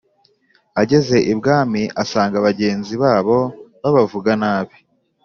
ageze ibwami asanga bagenzi babo babavuga nabi